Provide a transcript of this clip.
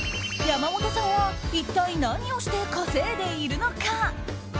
山本さんは一体何をして稼いでいるのか。